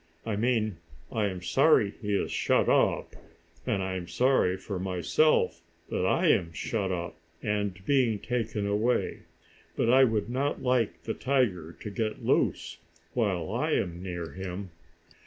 I mean I am sorry he is shut up, and I am sorry for myself, that I am shut up, and being taken away, but I would not like the tiger to get loose, while I am near him."